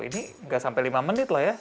ini nggak sampai lima menit lah ya